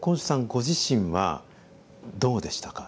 ご自身はどうでしたか？